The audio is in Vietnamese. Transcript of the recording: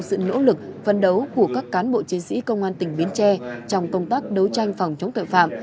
sự nỗ lực phân đấu của các cán bộ chiến sĩ công an tỉnh bến tre trong công tác đấu tranh phòng chống tội phạm